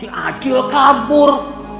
si acil kabur